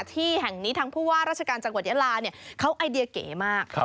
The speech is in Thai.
ที่แห่งนี้ทางผู้ว่าราชการจังหวัดยาลาเขาไอเดียเก๋มาก